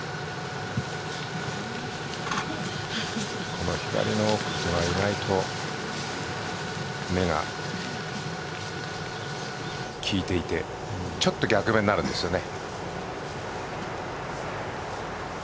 この左の目が意外と効いていてちょっと逆目になるんですよね。